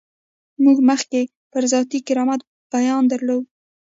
موږ مخکې پر ذاتي کرامت بیان درلود.